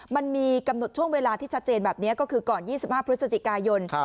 มันมีกำหนดช่วงเวลาที่ชัดเจนแบบนี้ก็คือก่อน๒๕พฤศจิกายน